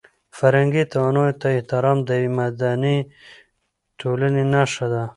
فرهنګي تنوع ته احترام د یوې متمدنې ټولنې نښه ده.